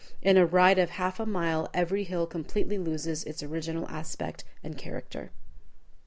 In a ride of half a mile, every hill completely loses its original aspect and character.